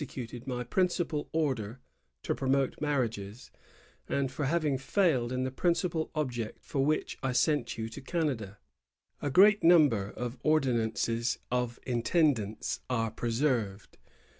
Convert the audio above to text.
cuted my principal order [to promote marriages], and for having failed in the principal object for which I sent you to Canada."^ A great number of ordinances of intendants are preserved.